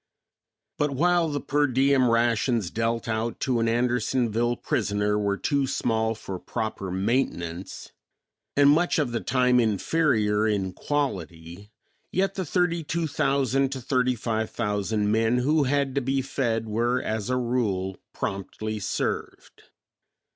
But while the per diem rations dealt out to an Andersonville prisoner were too small for proper maintenance, and much of the time inferior in quality, yet the thirty two thousand to thirty five thousand men who had to be fed were as a rule promptly served.